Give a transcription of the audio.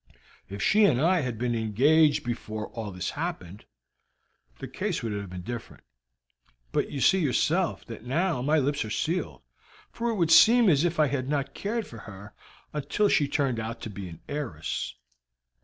If she and I had been engaged before all this happened the case would have been different; but you see yourself that now my lips are sealed, for it would seem as if I had not cared for her until she turned out to be an heiress."